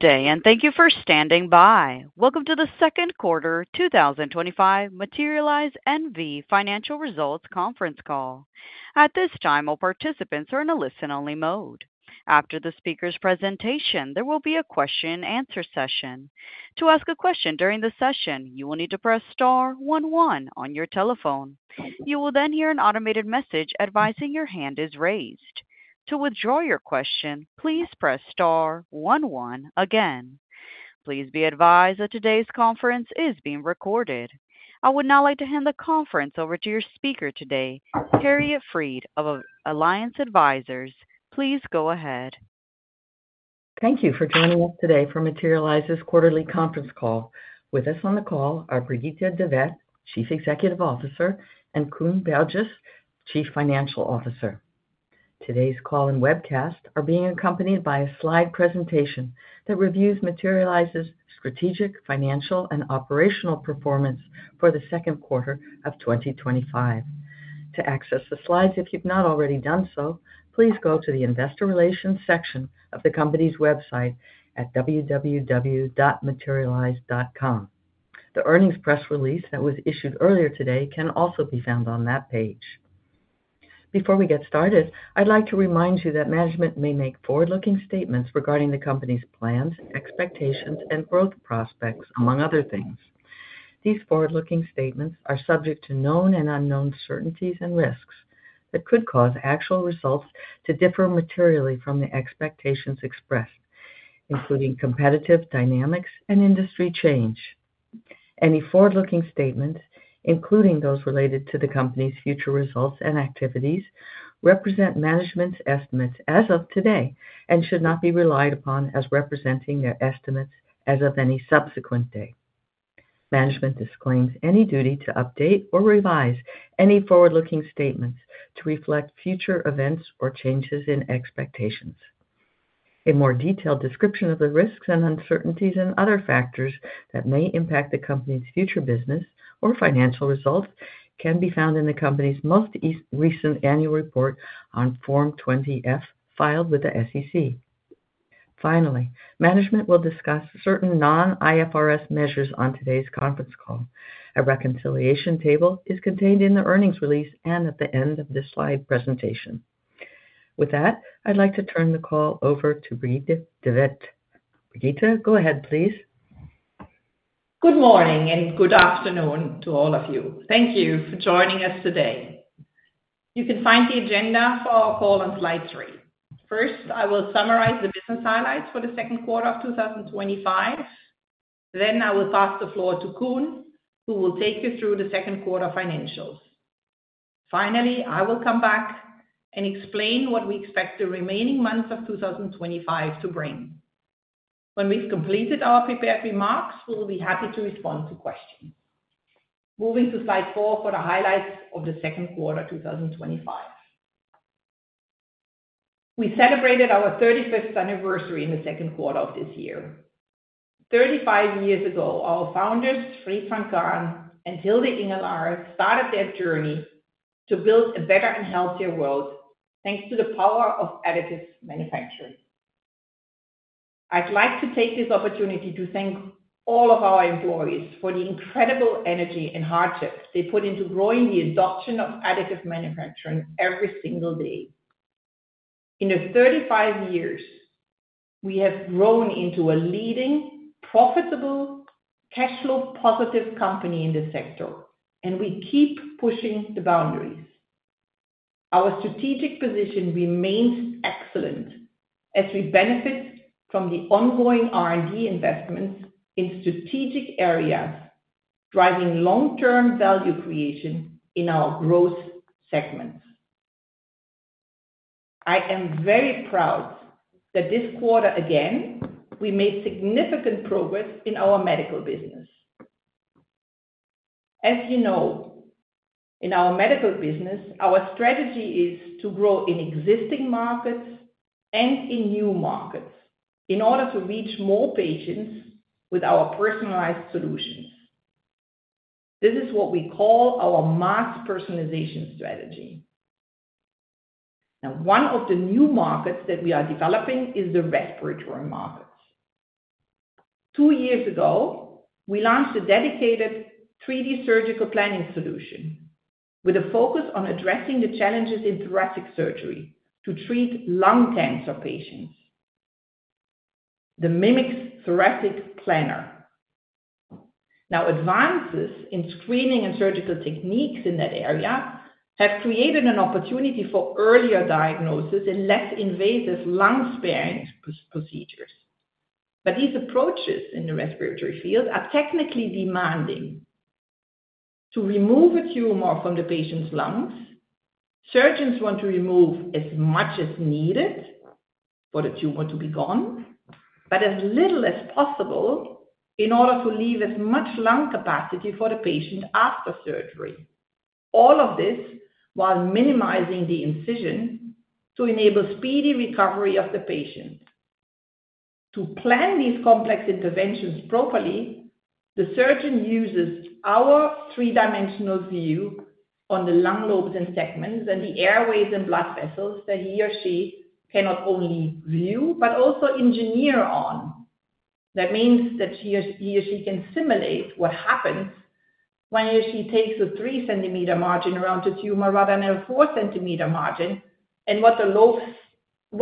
Today, and thank you for standing by. Welcome to the second quarter 2025 Materialise NV Financial Results Conference Call. At this time, all participants are in a listen-only mode. After the speaker's presentation, there will be a Question and Answer session. To ask a question during the session, you will need to press star 11 on your telephone. You will then hear an automated message advising your hand is raised. To withdraw your question, please press star 11 again. Please be advised that today's conference is being recorded. I would now like to hand the conference over to your speaker today, Harriet Fried of Alliance Advisors. Please go ahead. Thank you for joining us today for Materialise's quarterly conference call. With us on the call are Brigitte de Vet-Veithen, Chief Executive Officer, and Koen Berges, Chief Financial Officer. Today's call and webcast are being accompanied by a slide presentation that reviews Materialise's strategic, financial, and operational performance for the second quarter of 2025. To access the slides, if you've not already done so, please go to the Investor Relations section of the company's website at www.materialise.com. The earnings press release that was issued earlier today can also be found on that page. Before we get started, I'd like to remind you that management may make forward-looking statements regarding the company's plans, expectations, and growth prospects, among other things. These forward-looking statements are subject to known and unknown certainties and risks that could cause actual results to differ materially from the expectations expressed, including competitive dynamics and industry change. Any forward-looking statements, including those related to the company's future results and activities, represent management's estimates as of today and should not be relied upon as representing their estimates as of any subsequent day. Management disclaims any duty to update or revise any forward-looking statements to reflect future events or changes in expectations. A more detailed description of the risks and uncertainties and other factors that may impact the company's future business or financial results can be found in the company's most recent annual report on Form 20-F filed with the SEC. Finally, management will discuss certain non-IFRS measures on today's conference call. A reconciliation table is contained in the earnings release and at the end of the slide presentation. With that, I'd like to turn the call over to Brigitte de Vet-Veithen. Brigitte, go ahead, please. Good morning and good afternoon to all of you. Thank you for joining us today. You can find the agenda for our call on slide three. First, I will summarize the business highlights for the second quarter of 2025. Then I will pass the floor to Koen, who will take you through the second quarter financials. Finally, I will come back and explain what we expect the remaining months of 2025 to bring. When we've completed our prepared remarks, we'll be happy to respond to questions. Moving to slide four for the highlights of the second quarter 2025. We celebrated our 35th anniversary in the second quarter of this year. Thirty-five years ago, our founders, Wilfried Vancraen and Hilde Ingelaere, started their journey to build a better and healthier world thanks to the power of additive manufacturing. I'd like to take this opportunity to thank all of our employees for the incredible energy and hardships they put into growing the adoption of additive manufacturing every single day. In the 35 years, we have grown into a leading, profitable, cash-flow-positive company in the sector, and we keep pushing the boundaries. Our strategic position remains excellent as we benefit from the ongoing R&D investments in strategic areas, driving long-term value creation in our growth segments. I am very proud that this quarter, again, we made significant progress in our medical business. As you know, in our medical business, our strategy is to grow in existing markets and in new markets in order to reach more patients with our personalized solutions. This is what we call our mass personalization strategy. Now, one of the new markets that we are developing is the respiratory market. Two years ago, we launched a dedicated 3D surgical planning solution with a focus on addressing the challenges in thoracic surgery to treat lung cancer patients, the Mimics Thoracic Planner. Advances in screening and surgical techniques in that area have created an opportunity for earlier diagnosis and less invasive lung sparing procedures. These approaches in the respiratory field are technically demanding. To remove a tumor from the patient's lungs, surgeons want to remove as much as needed for the tumor to be gone, but as little as possible in order to leave as much lung capacity for the patient after surgery. All of this while minimizing the incision to enable speedy recovery of the patient. To plan these complex interventions properly, the surgeon uses our three-dimensional view on the lung lobes and segments and the airways and blood vessels that he or she cannot only view but also engineer on. That means that he or she can simulate what happens when he or she takes a three-centimeter margin around the tumor rather than a four-centimeter margin and what the lobes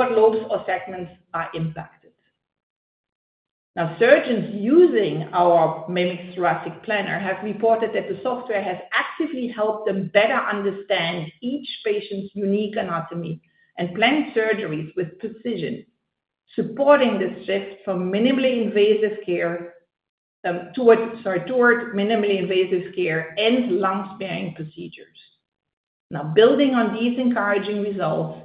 or segments are impacted. Now, surgeons using our Mimics Thoracic Planner have reported that the software has actively helped them better understand each patient's unique anatomy and plan surgeries with precision, supporting the shift from minimally invasive care towards minimally invasive care and lung sparing procedures. Building on these encouraging results,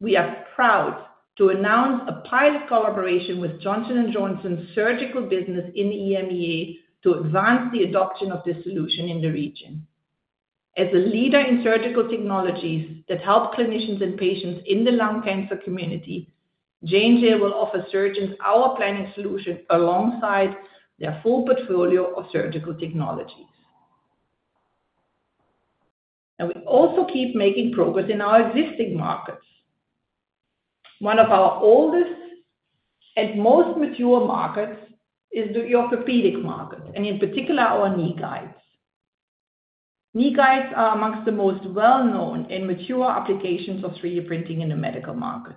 we are proud to announce a pilot collaboration with Johnson & Johnson Surgical Business in the EMEA to advance the adoption of this solution in the region. As a leader in surgical technologies that help clinicians and patients in the lung cancer community, Johnson & Johnson will offer surgeons our planning solution alongside their full portfolio of surgical technologies. We also keep making progress in our existing markets. One of our oldest and most mature markets is the orthopedic market, and in particular, our knee guides. Knee guides are amongst the most well-known and mature applications of 3D printing in the medical market.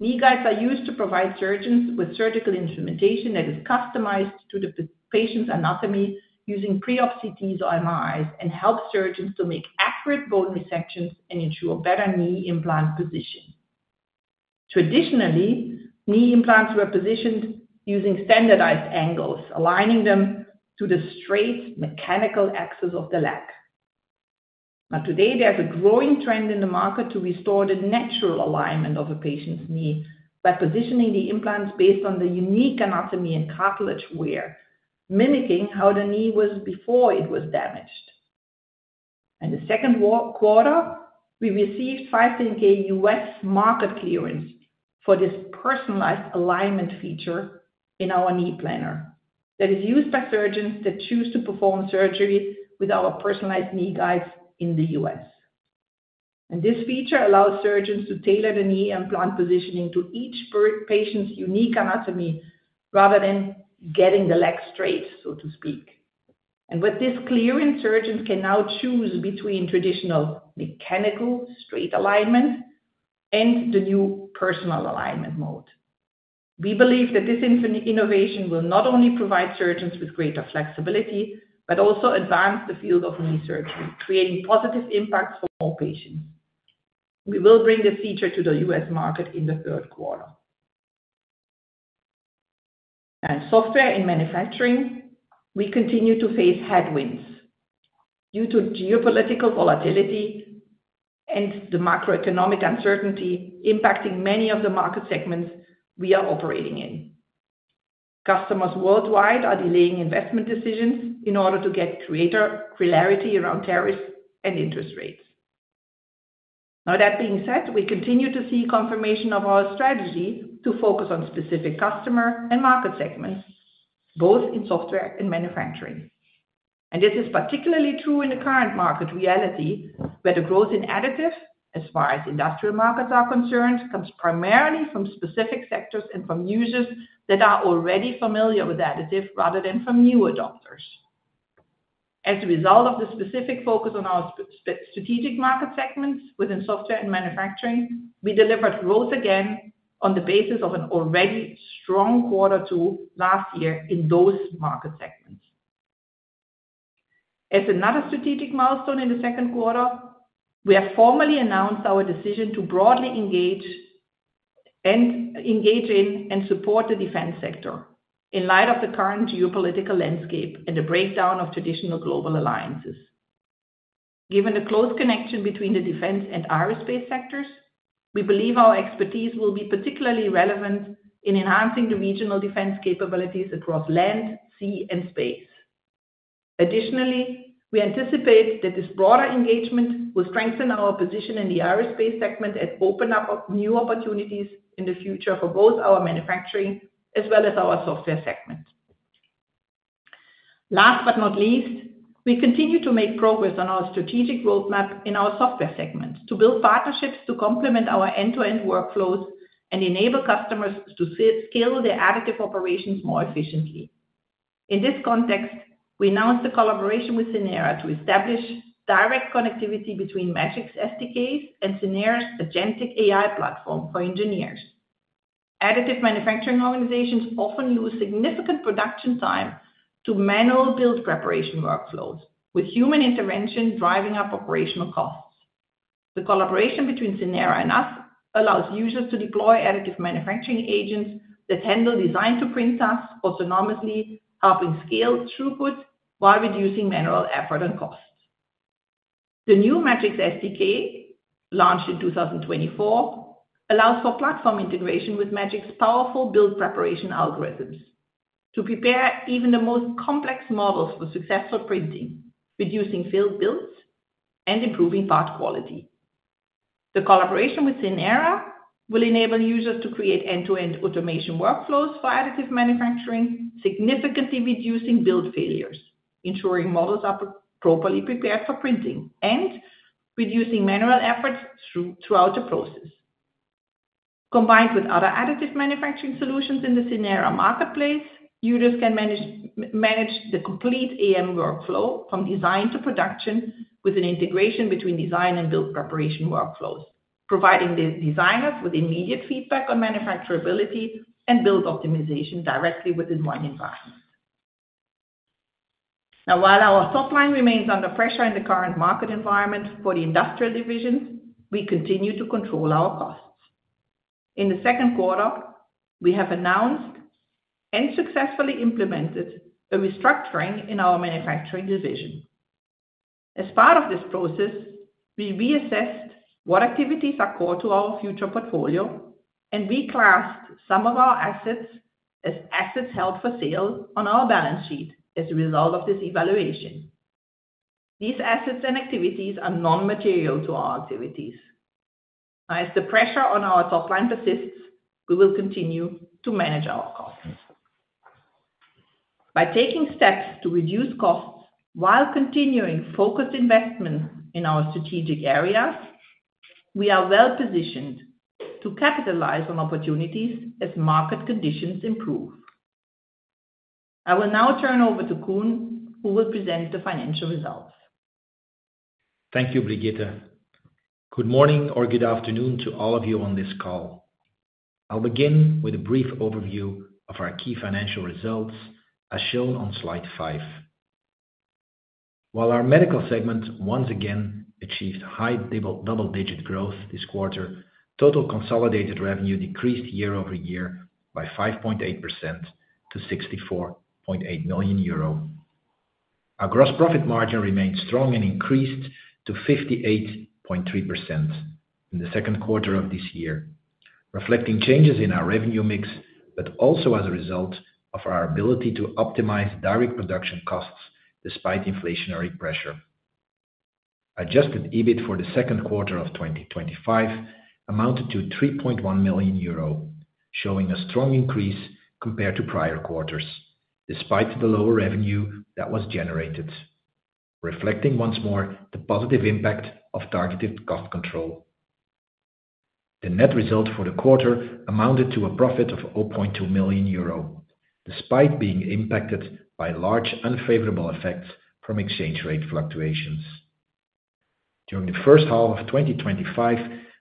Knee guides are used to provide surgeons with surgical instrumentation that is customized to the patient's anatomy using pre-op CTs or MRIs and help surgeons to make accurate bone resections and ensure better knee implant position. Traditionally, knee implants were positioned using standardized angles, aligning them to the straight mechanical axis of the leg. Today, there's a growing trend in the market to restore the natural alignment of a patient's knee by positioning the implants based on the unique anatomy and cartilage wear, mimicking how the knee was before it was damaged. In the second quarter, we received 510(k) US market clearance for this personalized alignment feature in our knee planner that is used by surgeons that choose to perform surgery with our personalized knee guides in the U.S. This feature allows surgeons to tailor the knee implant positioning to each patient's unique anatomy rather than getting the leg straight, so to speak. With this clearance, surgeons can now choose between traditional mechanical straight alignment and the new personal alignment mode. We believe that this innovation will not only provide surgeons with greater flexibility, but also advance the field of knee surgery, creating positive impacts for more patients. We will bring this feature to the US market in the third quarter. In software in manufacturing, we continue to face headwinds due to geopolitical volatility and the macroeconomic uncertainty impacting many of the market segments we are operating in. Customers worldwide are delaying investment decisions in order to get greater clarity around tariffs and interest rates. That being said, we continue to see confirmation of our strategy to focus on specific customer and market segments, both in software and manufacturing. This is particularly true in the current market reality, where the growth in additive, as far as industrial markets are concerned, comes primarily from specific sectors and from users that are already familiar with additive rather than from new adopters. As a result of the specific focus on our strategic market segments within software and manufacturing, we delivered growth again on the basis of an already strong quarter last year in those market segments. As another strategic milestone in the second quarter, we have formally announced our decision to broadly engage in and support the defense sector in light of the current geopolitical landscape and the breakdown of traditional global alliances. Given the close connection between the defense and aerospace sectors, we believe our expertise will be particularly relevant in enhancing the regional defense capabilities across land, sea, and space. Additionally, we anticipate that this broader engagement will strengthen our position in the aerospace segment and open up new opportunities in the future for both our manufacturing as well as our software segment. Last but not least, we continue to make progress on our strategic roadmap in our software segment to build partnerships to complement our end-to-end workflows and enable customers to scale their additive operations more efficiently. In this context, we announced the collaboration with Synera to establish direct connectivity between Magics SDKs and Synera's Agentic AI platform for engineers. Additive manufacturing organizations often use significant production time to manual build preparation workflows, with human intervention driving up operational costs. The collaboration between Synera and us allows users to deploy additive manufacturing agents that handle design-to-print tasks autonomously, helping scale throughput while reducing manual effort and costs. The new Magics SDK, launched in 2024, allows for platform integration with Magics's powerful build preparation algorithms to prepare even the most complex models for successful printing, reducing failed builds and improving part quality. The collaboration with Synera will enable users to create end-to-end automation workflows for additive manufacturing, significantly reducing build failures, ensuring models are properly prepared for printing, and reducing manual efforts throughout the process. Combined with other additive manufacturing solutions in the Synera marketplace, users can manage the complete AM workflow from design to production with an integration between design and build preparation workflows, providing the designers with immediate feedback on manufacturability and build optimization directly within one environment. Now, while our top line remains under pressure in the current market environment for the industrial division, we continue to control our costs. In the second quarter, we have announced and successfully implemented a restructuring in our manufacturing division. As part of this process, we reassessed what activities are core to our future portfolio and reclassed some of our assets as assets held for sale on our balance sheet as a result of this evaluation. These assets and activities are non-material to our activities. As the pressure on our top line persists, we will continue to manage our costs. By taking steps to reduce costs while continuing focused investment in our strategic areas, we are well positioned to capitalize on opportunities as market conditions improve. I will now turn over to Koen, who will present the financial results. Thank you, Brigitte. Good morning or good afternoon to all of you on this call. I'll begin with a brief overview of our key financial results as shown on slide five. While our medical segment once again achieved high double-digit growth this quarter, total consolidated revenue decreased year over year by 5.8% to €64.8 million. Our gross profit margin remained strong and increased to 58.3% in the second quarter of this year, reflecting changes in our revenue mix but also as a result of our ability to optimize direct production costs despite inflationary pressure. Adjusted EBIT for the second quarter of 2025 amounted to €3.1 million, showing a strong increase compared to prior quarters despite the lower revenue that was generated, reflecting once more the positive impact of targeted cost control. The net result for the quarter amounted to a profit of €0.2 million, despite being impacted by large unfavorable effects from exchange rate fluctuations. During the first half of 2025,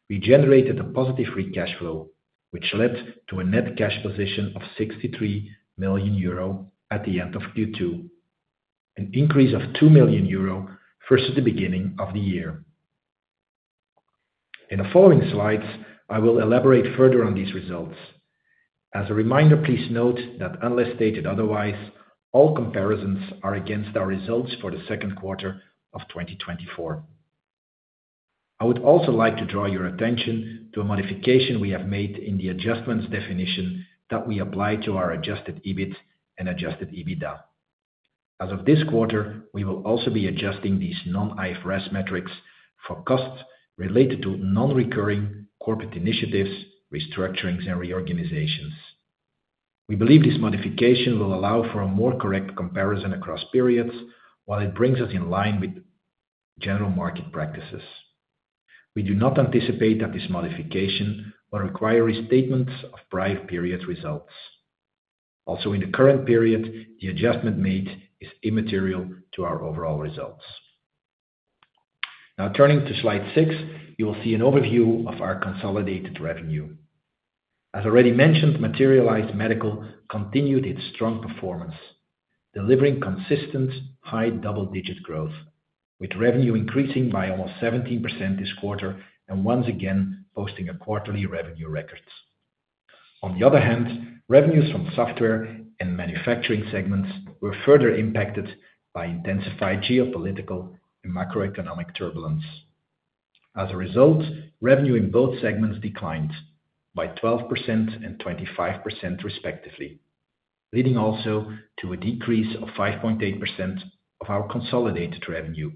we generated a positive free cash flow, which led to a net cash position of €63 million at the end of Q2, an increase of €2 million versus the beginning of the year. In the following slides, I will elaborate further on these results. As a reminder, please note that unless stated otherwise, all comparisons are against our results for the second quarter of 2024. I would also like to draw your attention to a modification we have made in the adjustments definition that we apply to our Adjusted EBIT and Adjusted EBITDA. As of this quarter, we will also be adjusting these non-IFRS metrics for costs related to non-recurring corporate initiatives, restructurings, and reorganizations. We believe this modification will allow for a more correct comparison across periods while it brings us in line with general market practices. We do not anticipate that this modification will require restatements of prior period results. Also, in the current period, the adjustment made is immaterial to our overall results. Now, turning to slide six, you will see an overview of our consolidated revenue. As already mentioned, Materialise Medical continued its strong performance, delivering consistent high double-digit growth, with revenue increasing by almost 17% this quarter and once again posting quarterly revenue records. On the other hand, revenues from software and manufacturing segments were further impacted by intensified geopolitical and macroeconomic turbulence. As a result, revenue in both segments declined by 12% and 25% respectively, leading also to a decrease of 5.8% of our consolidated revenue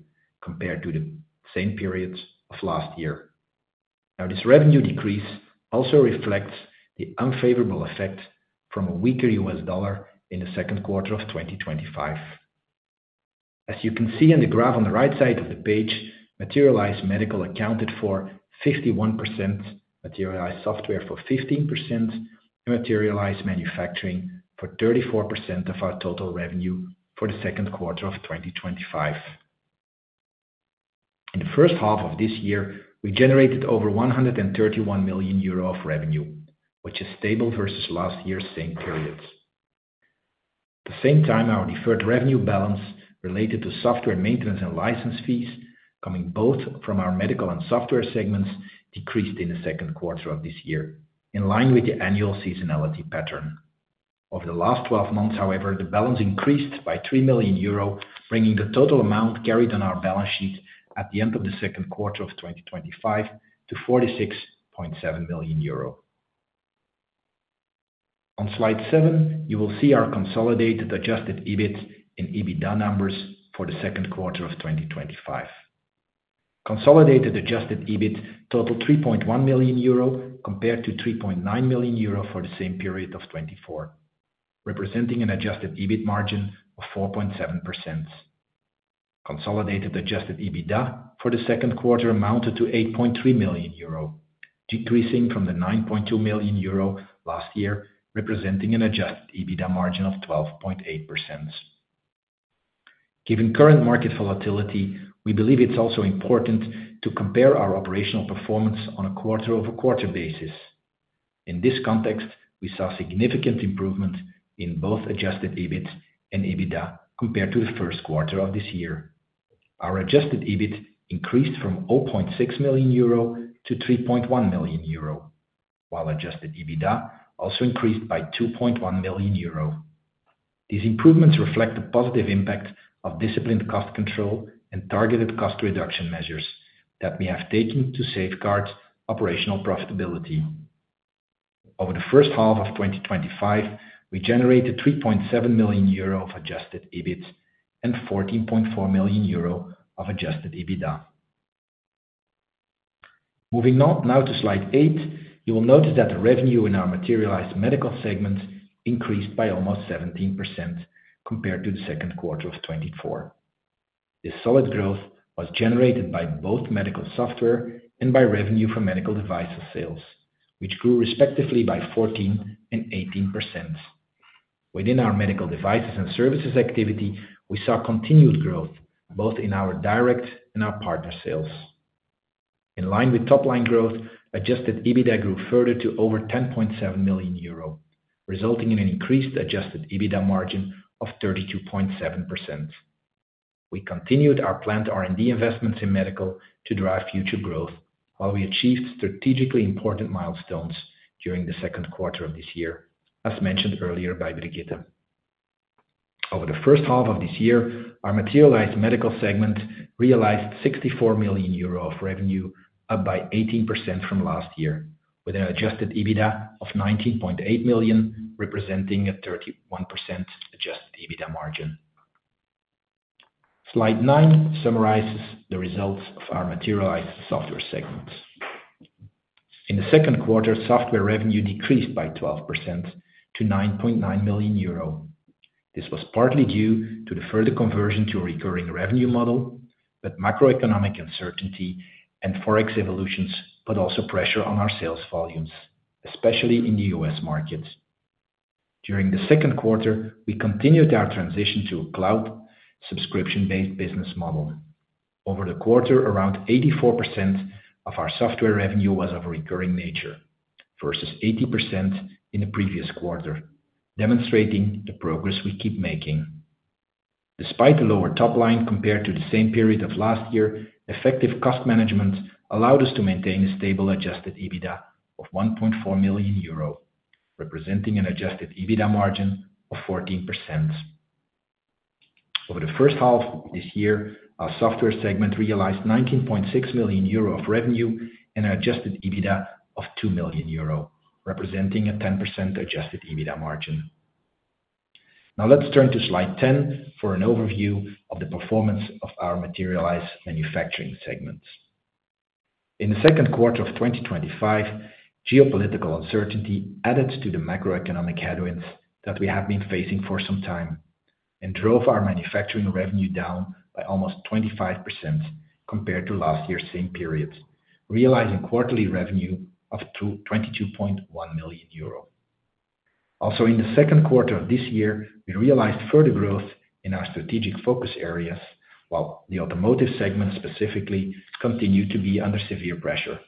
compared to the same period of last year. This revenue decrease also reflects the unfavorable effect from a weaker U.S. dollar in the second quarter of 2025. As you can see in the graph on the right side of the page, Materialise Medical accounted for 51%, Materialise Software for 15%, and Materialise Manufacturing for 34% of our total revenue for the second quarter of 2025. In the first half of this year, we generated over €131 million of revenue, which is stable versus last year's same periods. At the same time, our deferred revenue balance related to software maintenance and license fees, coming both from our medical and software segments, decreased in the second quarter of this year, in line with the annual seasonality pattern. Over the last 12 months, however, the balance increased by €3 million, bringing the total amount carried on our balance sheet at the end of the second quarter of 2025 to €46.7 million. On slide seven, you will see our consolidated Adjusted EBIT and EBITDA numbers for the second quarter of 2025. Consolidated Adjusted EBIT totaled €3.1 million compared to €3.9 million for the same period of 2024, representing an Adjusted EBIT margin of 4.7%. Consolidated Adjusted EBITDA for the second quarter amounted to €8.3 million, decreasing from the €9.2 million last year, representing an Adjusted EBITDA margin of 12.8%. Given current market volatility, we believe it's also important to compare our operational performance on a quarter-over-quarter basis. In this context, we saw significant improvement in both Adjusted EBIT and EBITDA compared to the first quarter of this year. Our Adjusted EBIT increased from €0.6 million to €3.1 million, while Adjusted EBITDA also increased by €2.1 million. These improvements reflect the positive impact of disciplined cost control and targeted cost reduction measures that we have taken to safeguard operational profitability. Over the first half of 2025, we generated €3.7 million of Adjusted EBIT and €14.4 million of Adjusted EBITDA. Moving now to slide eight, you will notice that revenue in our Materialise Medical segment increased by almost 17% compared to the second quarter of 2024. This solid growth was generated by both medical software and by revenue for medical devices sales, which grew respectively by 14% and 18%. Within our medical devices and services activity, we saw continued growth both in our direct and our partner sales. In line with top line growth, Adjusted EBITDA grew further to over €10.7 million, resulting in an increased Adjusted EBITDA margin of 32.7%. We continued our planned R&D investments in medical to drive future growth while we achieved strategically important milestones during the second quarter of this year, as mentioned earlier by Brigitte. Over the first half of this year, our Materialise Medical segment realized €64 million of revenue, up by 18% from last year, with an Adjusted EBITDA of €19.8 million, representing a 31% Adjusted EBITDA margin. Slide nine summarizes the results of our Materialise Software segment. In the second quarter, software revenue decreased by 12% to €9.9 million. This was partly due to the further conversion to a recurring revenue model, but macroeconomic uncertainty and forex evolutions also put pressure on our sales volumes, especially in the US markets. During the second quarter, we continued our transition to a cloud subscription-based business model. Over the quarter, around 84% of our software revenue was of a recurring nature versus 80% in the previous quarter, demonstrating the progress we keep making. Despite the lower top line compared to the same period of last year, effective cost management allowed us to maintain a stable Adjusted EBITDA of €1.4 million, representing an Adjusted EBITDA margin of 14%. Over the first half of this year, our software segment realized €19.6 million of revenue and an Adjusted EBITDA of €2 million, representing a 10% Adjusted EBITDA margin. Now, let's turn to slide 10 for an overview of the performance of our Materialise Manufacturing segment. In the second quarter of 2025, geopolitical uncertainty added to the macroeconomic headwinds that we have been facing for some time and drove our manufacturing revenue down by almost 25% compared to last year's same period, realizing quarterly revenue of €22.1 million. Also, in the second quarter of this year, we realized further growth in our strategic focus areas, while the automotive segment specifically continued to be under severe pressure.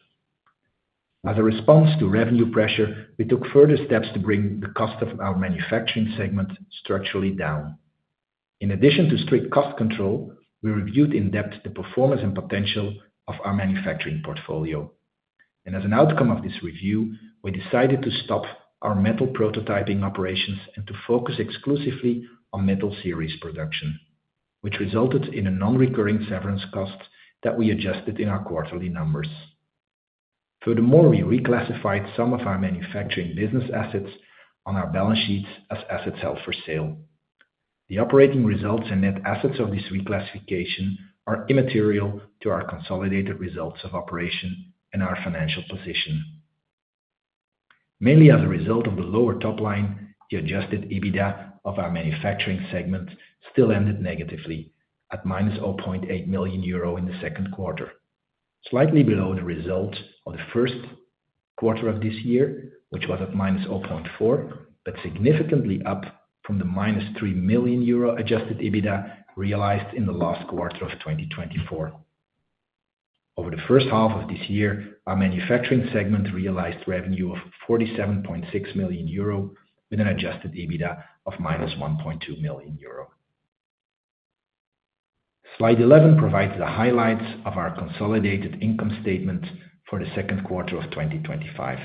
As a response to revenue pressure, we took further steps to bring the cost of our manufacturing segment structurally down. In addition to strict cost control, we reviewed in depth the performance and potential of our manufacturing portfolio. As an outcome of this review, we decided to stop our metal prototyping operations and to focus exclusively on metal series production, which resulted in a non-recurring severance cost that we adjusted in our quarterly numbers. Furthermore, we reclassified some of our manufacturing business assets on our balance sheets as assets held for sale. The operating results and net assets of this reclassification are immaterial to our consolidated results of operation and our financial position. Mainly as a result of the lower top line, the Adjusted EBITDA of our manufacturing segment still ended negatively at minus €0.8 million in the second quarter, slightly below the result of the first quarter of this year, which was at minus €0.4 million, but significantly up from the minus €3 million Adjusted EBITDA realized in the last quarter of 2024. Over the first half of this year, our manufacturing segment realized revenue of €47.6 million with an Adjusted EBITDA of minus €1.2 million. Slide 11 provides the highlights of our consolidated income statement for the second quarter of 2025.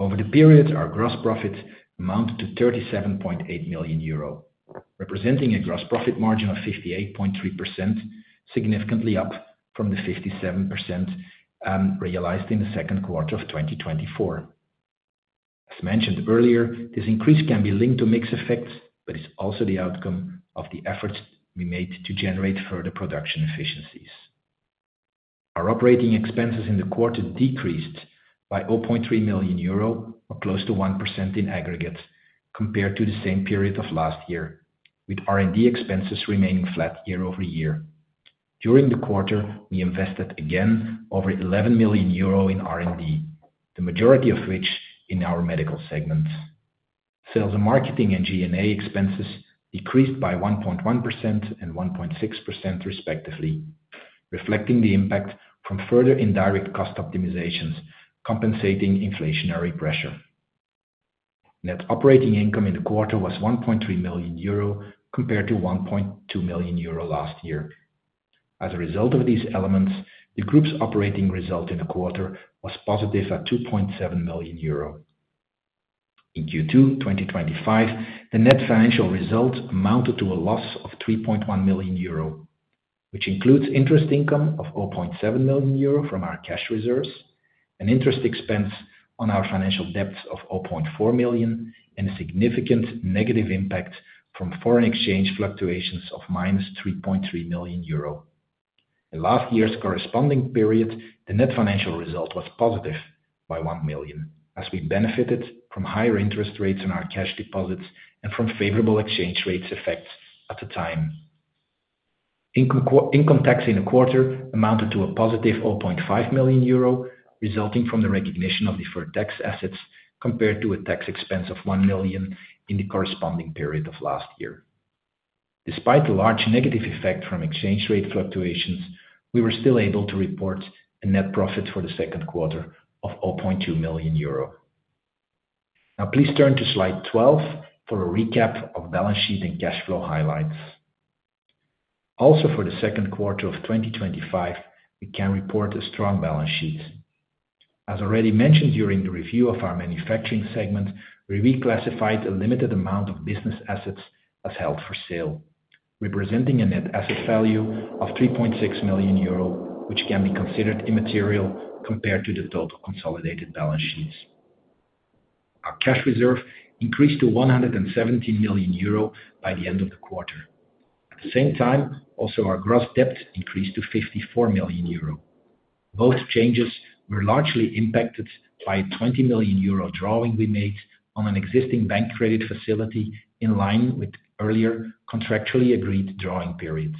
Over the period, our gross profits amounted to €37.8 million, representing a gross profit margin of 58.3%, significantly up from the 57% realized in the second quarter of 2024. As mentioned earlier, this increase can be linked to mix effects, but is also the outcome of the efforts we made to generate further production efficiencies. Our operating expenses in the quarter decreased by €0.3 million, or close to 1% in aggregate compared to the same period of last year, with R&D expenses remaining flat year over year. During the quarter, we invested again over €11 million in R&D, the majority of which in our medical segment. Sales and marketing and G&A expenses decreased by 1.1% and 1.6% respectively, reflecting the impact from further indirect cost optimizations compensating inflationary pressure. Net operating income in the quarter was €1.3 million compared to €1.2 million last year. As a result of these elements, the group's operating result in the quarter was positive at €2.7 million. In Q2 2025, the net financial results amounted to a loss of €3.1 million, which includes interest income of €0.7 million from our cash reserves, an interest expense on our financial debts of €0.4 million, and a significant negative impact from foreign exchange fluctuations of minus €3.3 million. In last year's corresponding period, the net financial result was positive by €1 million, as we benefited from higher interest rates on our cash deposits and from favorable exchange rate effects at the time. Income tax in a quarter amounted to a positive €0.5 million, resulting from the recognition of deferred tax assets compared to a tax expense of €1 million in the corresponding period of last year. Despite the large negative effect from exchange rate fluctuations, we were still able to report a net profit for the second quarter of €0.2 million. Now, please turn to slide 12 for a recap of balance sheet and cash flow highlights. Also, for the second quarter of 2025, we can report a strong balance sheet. As already mentioned during the review of our manufacturing segment, we reclassified a limited amount of business assets as held for sale, representing a net asset value of €3.6 million, which can be considered immaterial compared to the total consolidated balance sheet. Our cash reserve increased to €117 million by the end of the quarter. At the same time, also, our gross debt increased to €54 million. Both changes were largely impacted by a €20 million drawing we made on an existing bank credit facility in line with earlier contractually agreed drawing periods.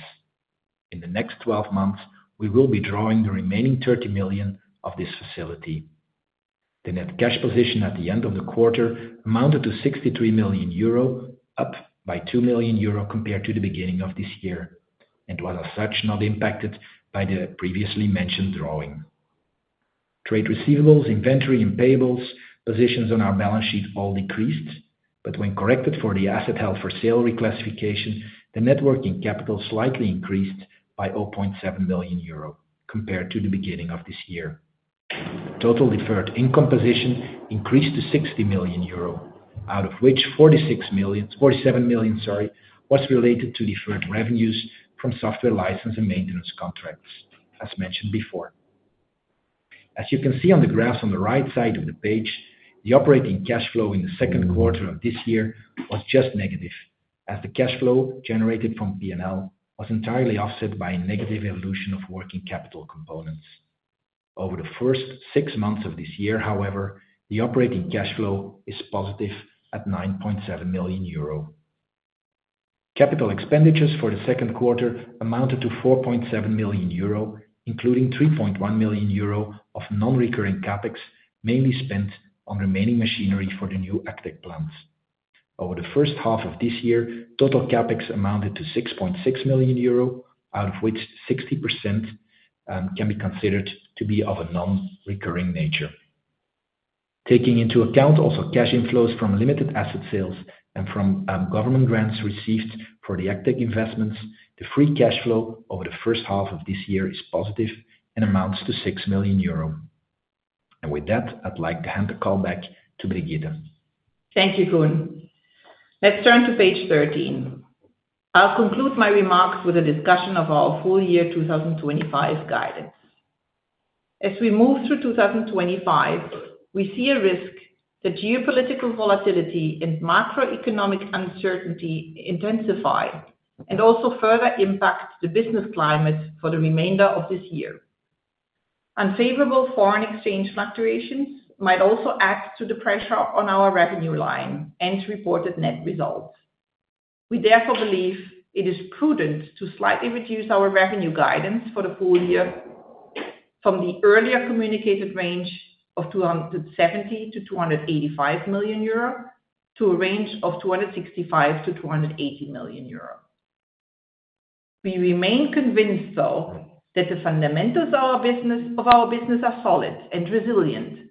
In the next 12 months, we will be drawing the remaining €30 million of this facility. The net cash position at the end of the quarter amounted to €63 million, up by €2 million compared to the beginning of this year, and was as such not impacted by the previously mentioned drawing. Trade receivables, inventory, and payables positions on our balance sheet all decreased, but when corrected for the asset held for sale reclassification, the net working capital slightly increased by €0.7 million compared to the beginning of this year. Total deferred income position increased to €60 million, out of which €47 million was related to deferred revenues from software license and maintenance contracts, as mentioned before. As you can see on the graphs on the right side of the page, the operating cash flow in the second quarter of this year was just negative, as the cash flow generated from P&L was entirely offset by a negative evolution of working capital components. Over the first six months of this year, however, the operating cash flow is positive at €9.7 million. Capital expenditures for the second quarter amounted to €4.7 million, including €3.1 million of non-recurring CapEx, mainly spent on remaining machinery for the new ACTEC plants. Over the first half of this year, total CapEx amounted to €6.6 million, out of which 60% can be considered to be of a non-recurring nature. Taking into account also cash inflows from limited asset sales and from government grants received for the ACTEC investments, the free cash flow over the first half of this year is positive and amounts to €6 million. With that, I'd like to hand the call back to Brigitte. Thank you, Koen. Let's turn to page 13. I'll conclude my remarks with a discussion of our full year 2025 guidance. As we move through 2025, we see a risk that geopolitical volatility and macroeconomic uncertainty intensify and also further impact the business climate for the remainder of this year. Unfavorable foreign exchange fluctuations might also add to the pressure on our revenue line and reported net results. We therefore believe it is prudent to slightly reduce our revenue guidance for the full year from the earlier communicated range of €270 to €285 million to a range of €265 to €280 million. We remain convinced, though, that the fundamentals of our business are solid and resilient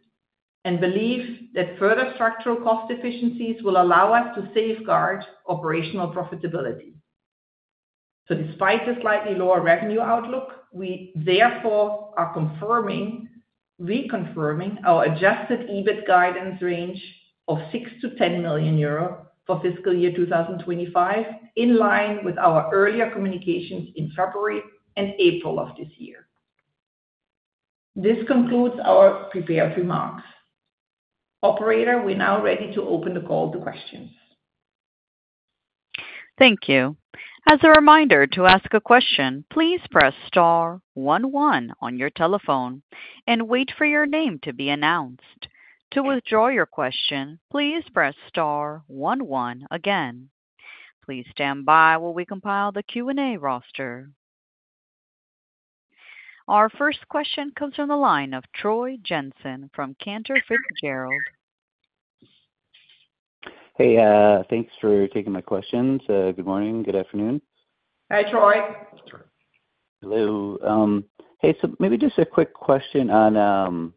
and believe that further structural cost efficiencies will allow us to safeguard operational profitability. Despite the slightly lower revenue outlook, we therefore are confirming, reconfirming our Adjusted EBIT guidance range of €6 to €10 million for fiscal year 2025, in line with our earlier communications in February and April of this year. This concludes our prepared remarks. Operator, we're now ready to open the call to questions. Thank you. As a reminder, to ask a question, please press star 11 on your telephone and wait for your name to be announced. To withdraw your question, please press star 11 again. Please stand by while we compile the Q&A roster. Our first question comes from the line of Troy Jensen from Cantor Fitzgerald. Hey, thanks for taking my questions. Good morning, good afternoon. Hi, Troy. Hello. Maybe just a quick question on,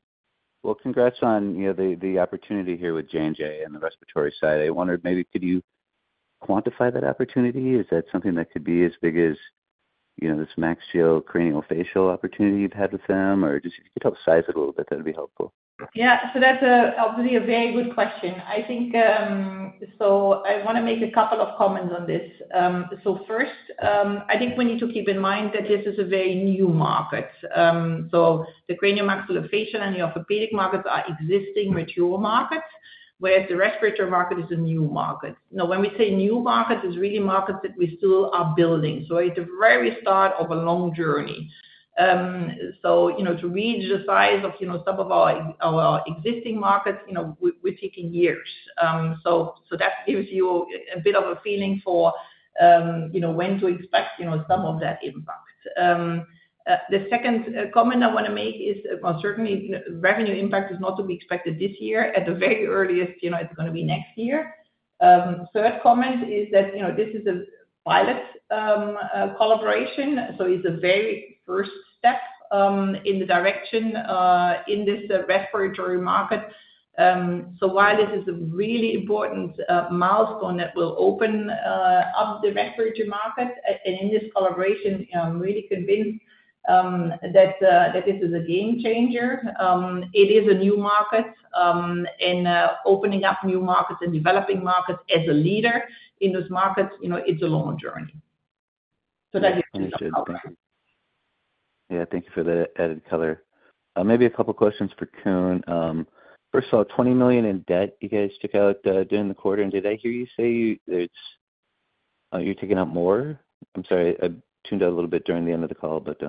congrats on the opportunity here with Johnson & Johnson on the respiratory side. I wondered, could you quantify that opportunity? Is that something that could be as big as this maxillocraniofacial opportunity you've had with them, or if you could help size it a little bit, that'd be helpful. Yeah, that's obviously a very good question. I think I want to make a couple of comments on this. First, I think we need to keep in mind that this is a very new market. The cranio-maxillofacial and the orthopedic markets are existing, mature markets, whereas the respiratory market is a new market. Now, when we say new markets, it's really markets that we still are building. It's the very start of a long journey. To reach the size of some of our existing markets, we're taking years. That gives you a bit of a feeling for when to expect some of that impact. The second comment I want to make is certainly revenue impact is not to be expected this year. At the very earliest, it's going to be next year. Third comment is that this is a pilot collaboration. It's a very first step in the direction in this respiratory market. While this is a really important milestone that will open up the respiratory market and in this collaboration, I'm really convinced that this is a game changer. It is a new market, and opening up new markets and developing markets as a leader in those markets, it's a long journey. That's it. Understood. Yeah, thank you for the added color. Maybe a couple of questions for Koen. First of all, $20 million in debt you guys took out during the quarter. Did I hear you say you're taking out more? I'm sorry, I tuned out a little bit during the end of the call, but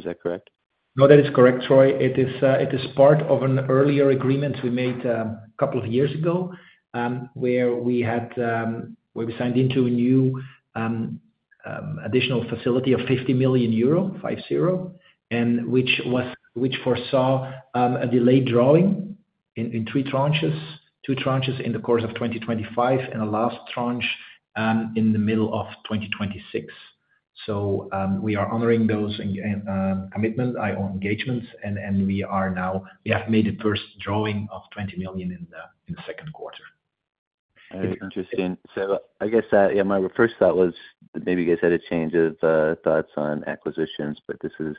is that correct? No, that is correct, Troy. It is part of an earlier agreement we made a couple of years ago, where we signed into a new, additional facility of €50 million, five zero, which foresaw a delayed drawing in three tranches, two tranches in the course of 2025, and a last tranche in the middle of 2026. We are honoring those commitments, our own engagements, and we have made the first drawing of €20 million in the second quarter. That's interesting. I guess, yeah, my first thought was that maybe you guys had a change of thoughts on acquisitions, but this is,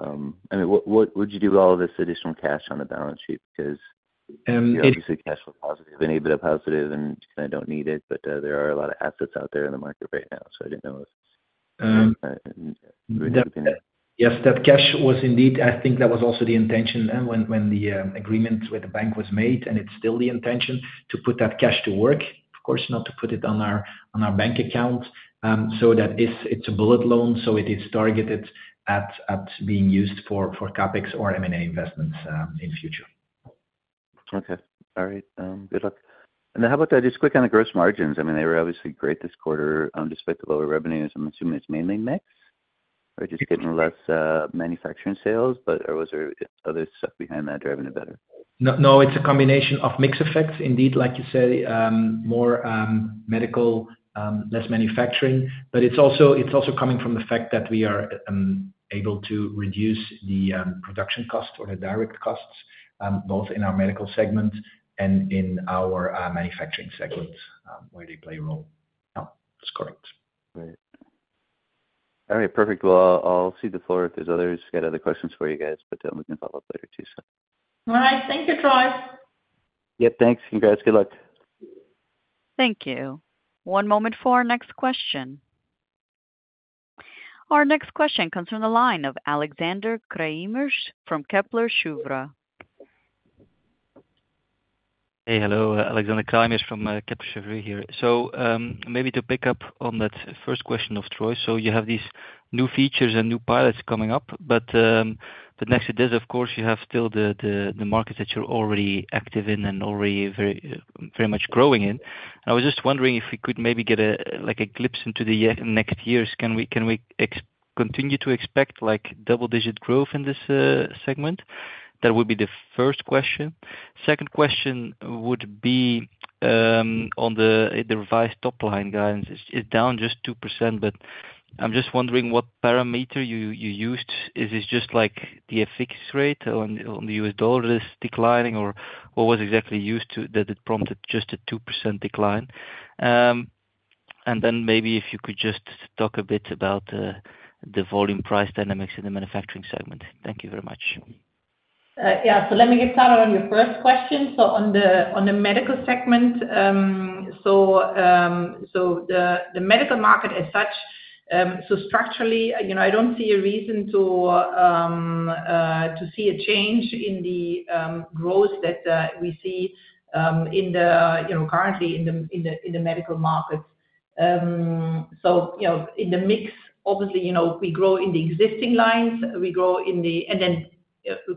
I mean, what would you do with all of this additional cash on the balance sheet? Because obviously cash was positive, and EBITDA positive, and I don't need it, but there are a lot of assets out there in the market right now. I didn't know if. Yes, that cash was indeed, I think that was also the intention when the agreement with the bank was made, and it's still the intention to put that cash to work, of course, not to put it on our bank account. That is, it's a bullet loan, so it is targeted at being used for CapEx or M&A investments in the future. All right. Good luck. How about just quick on the gross margins? They were obviously great this quarter despite the lower revenues. I'm assuming it's mainly mix or just getting less manufacturing sales, or was there other stuff behind that driving it better? No, it's a combination of mixed effects. Indeed, like you said, more medical, less manufacturing, but it's also coming from the fact that we are able to reduce the production costs or the direct costs, both in our medical segment and in our manufacturing segments, where they play a role. All right. I'll see the floor if others have other questions for you guys, but we can follow up later too. All right. Thank you, Troy. Yeah, thanks. You guys, good luck. Thank you. One moment for our next question. Our next question comes from the line of Alexander Craeymeersch from Kepler Cheuvreux. Hey, hello. Alexander Craeymeersch from Kepler Cheuvreux here. Maybe to pick up on that first question of Troy, you have these new features and new pilots coming up, but next to this, of course, you have still the market that you're already active in and already very much growing in. I was just wondering if we could maybe get a glimpse into the next years. Can we continue to expect like double-digit growth in this segment? That would be the first question. Second question would be on the revised top line guidance. It's down just 2%, but I'm just wondering what parameter you used. Is this just like the FX rate on the US dollar that's declining, or what was exactly used that prompted just a 2% decline? Maybe if you could just talk a bit about the volume price dynamics in the manufacturing segment. Thank you very much. Let me get started on your first question. On the medical segment, the medical market as such, structurally, I don't see a reason to see a change in the growth that we see currently in the medical market. In the mix, obviously, we grow in the existing lines, we grow in the, and then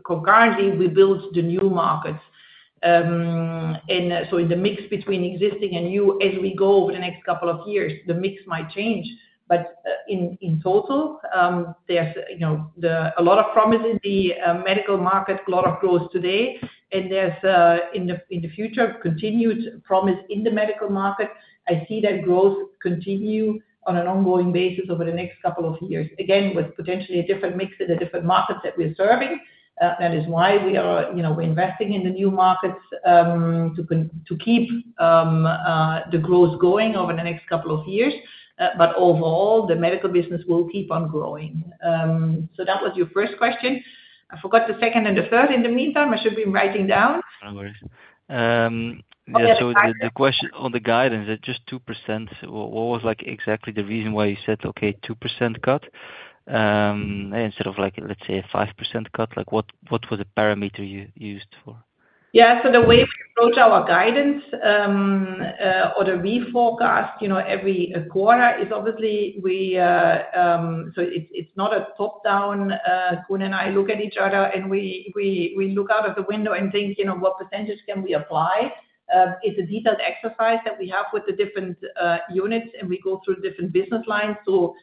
concurrently, we build the new markets. In the mix between existing and new, as we go over the next couple of years, the mix might change. In total, there's a lot of promise in the medical market, a lot of growth today, and there's in the future continued promise in the medical market. I see that growth continue on an ongoing basis over the next couple of years, again, with potentially a different mix in the different markets that we're serving. That is why we are investing in the new markets to keep the growth going over the next couple of years. Overall, the medical business will keep on growing. That was your first question. I forgot the second and the third. In the meantime, I should be writing down. No worries. Yeah, so the question on the guidance, it's just 2%. What was exactly the reason why you said, okay, 2% cut instead of, let's say, a 5% cut? What was the parameter you used for? Yeah, the way we approach our guidance or the reforecast every quarter is, obviously, it's not a top-down, Koen and I look at each other and we look out of the window and think, you know, what % can we apply. It's a detailed exercise that we have with the different units, and we go through different business lines to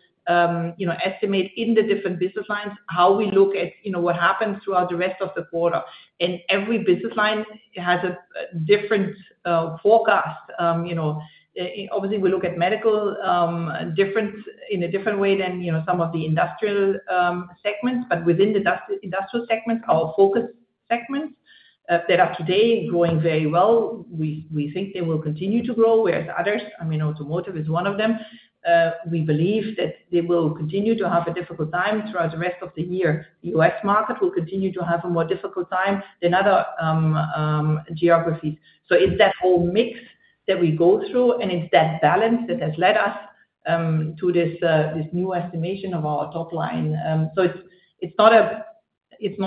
estimate in the different business lines how we look at what happens throughout the rest of the quarter. Every business line has a different forecast. Obviously, we look at medical difference in a different way than some of the industrial segments, but within the industrial segment, our focus segments that are today growing very well, we think they will continue to grow, whereas others, I mean, automotive is one of them, we believe that they will continue to have a difficult time throughout the rest of the year. The US market will continue to have a more difficult time than other geographies. It's that whole mix that we go through, and it's that balance that has led us to this new estimation of our top line. It's not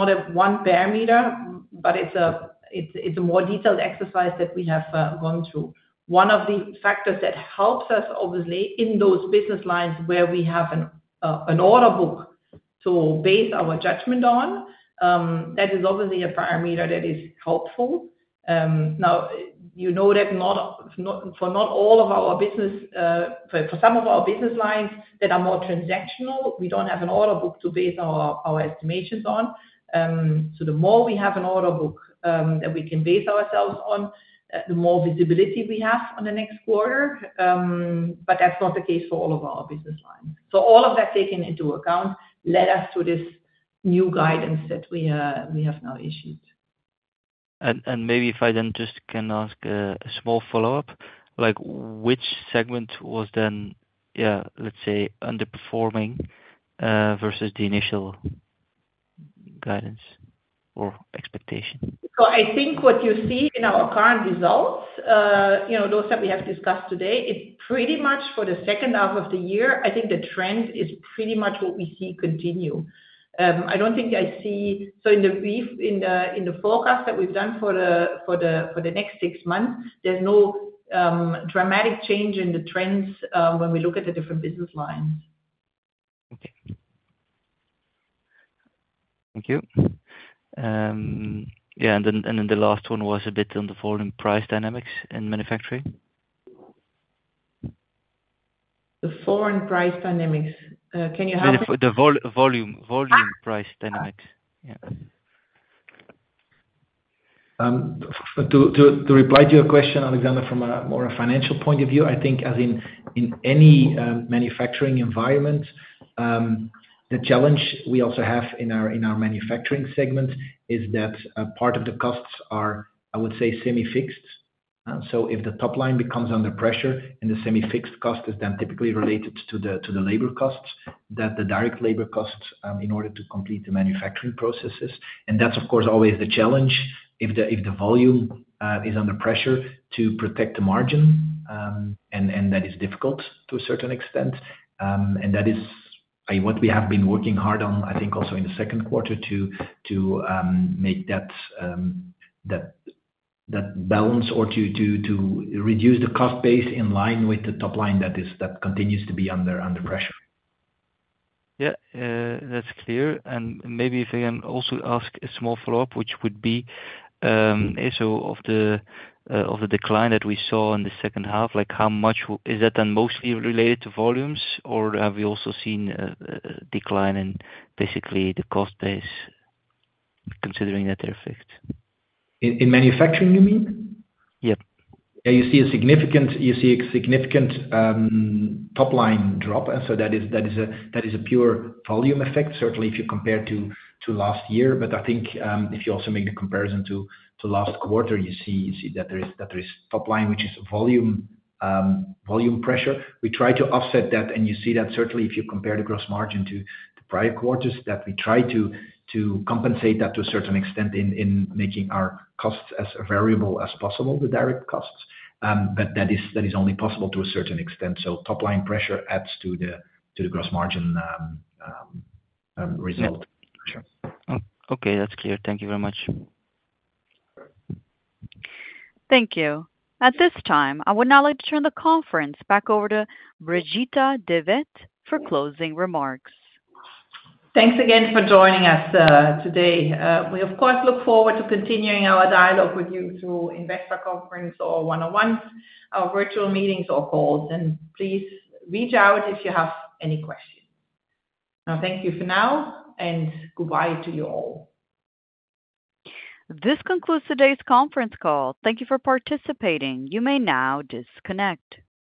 a one parameter, but it's a more detailed exercise that we have gone through. One of the factors that helps us, obviously, in those business lines where we have an order book to base our judgment on, that is a parameter that is helpful. Now, you know that not for all of our business, for some of our business lines that are more transactional, we don't have an order book to base our estimations on. The more we have an order book that we can base ourselves on, the more visibility we have on the next quarter, but that's not the case for all of our business lines. All of that taken into account led us to this new guidance that we have now issued. Maybe if I then just can ask a small follow-up, like which segment was then, yeah, let's say underperforming versus the initial guidance or expectation? I think what you see in our current results, you know, those that we have discussed today, it pretty much for the second half of the year, I think the trend is pretty much what we see continue. I don't think I see, in the forecast that we've done for the next six months, there's no dramatic change in the trends when we look at the different business lines. Okay. Thank you. Yeah, and then the last one was a bit on the foreign price dynamics in manufacturing. The foreign price dynamics. Can you have that? The volume price dynamics, yeah. To reply to your question, Alexander, from more of a financial point of view, I think as in any manufacturing environment, the challenge we also have in our manufacturing segment is that part of the costs are, I would say, semi-fixed. If the top line becomes under pressure and the semi-fixed cost is then typically related to the labor costs, the direct labor costs in order to complete the manufacturing processes, that's, of course, always the challenge. If the volume is under pressure to protect the margin, that is difficult to a certain extent, and that is what we have been working hard on, I think, also in the second quarter to make that balance or to reduce the cost base in line with the top line that continues to be under pressure. Yeah, that's clear. Maybe if I can also ask a small follow-up, which would be also of the decline that we saw in the second half, how much is that then mostly related to volumes, or have we also seen a decline in basically the cost base considering that effect? In manufacturing, you mean? Yep. You see a significant top line drop. That is a pure volume effect, certainly if you compare to last year. If you also make the comparison to last quarter, you see that there is top line, which is volume pressure. We try to offset that, and you see that certainly if you compare the gross margin to the prior quarters, that we try to compensate that to a certain extent in making our costs as variable as possible, the direct costs. That is only possible to a certain extent. Top line pressure adds to the gross margin result. Okay, that's clear. Thank you very much. Thank you. At this time, I would now like to turn the conference back over to Brigitte de Vet-Veithen for closing remarks. Thanks again for joining us today. We, of course, look forward to continuing our dialogue with you through Investor Conference or one-on-ones, our virtual meetings or calls. Please reach out if you have any questions. Thank you for now, and goodbye to you all. This concludes today's conference call. Thank you for participating. You may now disconnect.